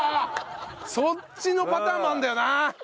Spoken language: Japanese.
そっちのパターンもあるんだよな。